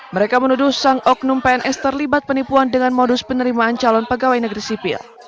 mereka menuduh sang oknum pns terlibat penipuan dengan modus penerimaan calon pegawai negeri sipil